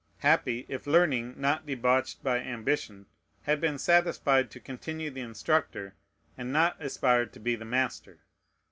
Happy, if learning, not debauched by ambition, had been satisfied to continue the instructor, and not aspired to be the master!